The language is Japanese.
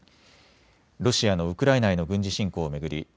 ロシアのウクライナへの軍事侵攻を巡り